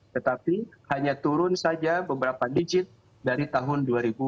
tetapi hanya turun saja beberapa digit dari tahun dua ribu dua puluh